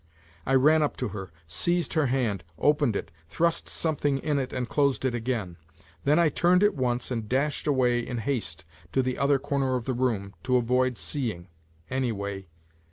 I ran up to her, seized her hand, opened it, thrust something in it and closed it again. Then I turned at once and dashed away in haste to the other corner of the room to avoid seeing, anyway.